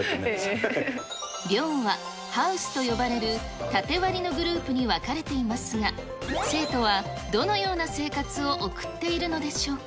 寮はハウスと呼ばれる縦割りのグループに分かれていますが、生徒はどのような生活を送っているのでしょうか。